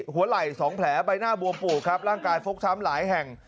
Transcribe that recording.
หัวไหล่๒แผลใบหน้าบวมปูดครับร่างกายฟกช้ำหลายแห่ง